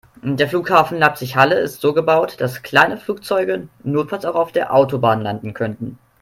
Der Flughafen Leipzig/Halle ist so gebaut, dass kleine Flugzeuge notfalls auch auf der Autobahn landen könnten.